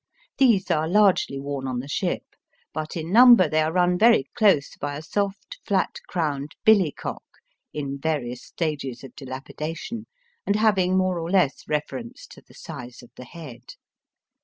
These are largely worn on the ship ; but in number they are run very close by a soft flat crowned billy cock," in various stages of dilapidation, and having more or less reference to the size of the head.